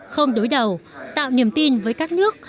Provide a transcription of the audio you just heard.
không đối đầu tạo niềm tin với các nước